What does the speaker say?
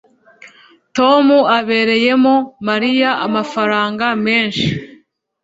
tom abereyemo mariya amafaranga menshi